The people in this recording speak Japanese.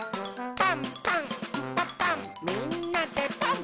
「パンパンんパパンみんなでパン！」